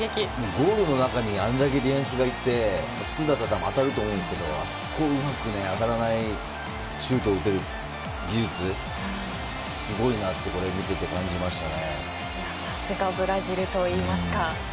ゴールの中にあれだけディフェンスがいて普通だったら当たると思うんですけどあそこで当たらないシュートを打てる技術すごいなってこれを見てて感じましたね。